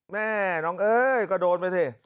แม่น้องเอ้ยก็โดนไปสิ